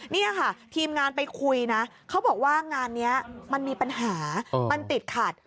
นี่ค่ะทีมงานไปคุยนะเขาบอกว่างานนี้มันมีปัญหามันติดขัด